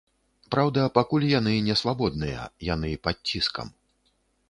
Праўда, пакуль яны несвабодныя, яны пад ціскам.